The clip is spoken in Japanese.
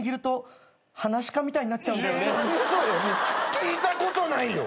聞いたことないよ！